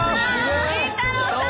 倫太郎さん